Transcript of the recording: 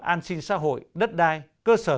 an sinh xã hội đất đai cơ sở